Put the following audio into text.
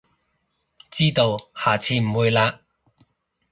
知道，下次唔會喇